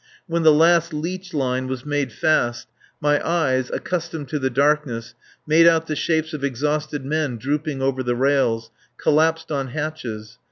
When the last leech line was made fast, my eyes, accustomed to the darkness, made out the shapes of exhausted men drooping over the rails, collapsed on hatches.